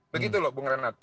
begitu loh bung renat